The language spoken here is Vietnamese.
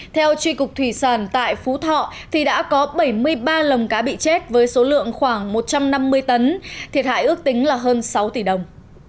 theo tri cục thủy sản tại phú thọ thì đã có bảy mươi ba lồng cá bị chết với số lượng khoảng một trăm năm mươi tấn thiệt hại ước tính là hơn sáu tỷ đồng